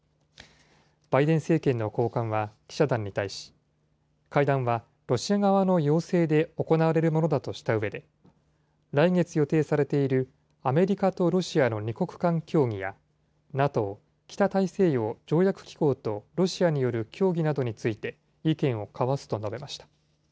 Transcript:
バイデン政権の高官は記者団に対し、会談はロシア側の要請で行われるものだとしたうえで、来月予定されているアメリカとロシアの２国間協議や、ＮＡＴＯ・北大西洋条約機構とロシアによる協議などについて、意見を交わすと述べました。